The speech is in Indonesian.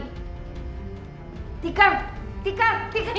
tikar tikar tikar